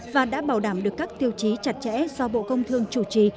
và đã bảo đảm được các tiêu chí chặt chẽ do bộ công thương chủ trì